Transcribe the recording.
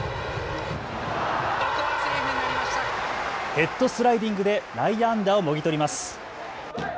ヘッドスライディングで内野安打をもぎ取ります。